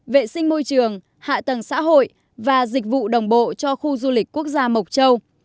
vệ sinh môi trường hạ tầng xã hội và dịch vụ đồng bộ cho khu du lịch quốc gia mộc châu